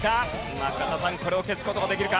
中田さんこれを消す事ができるか？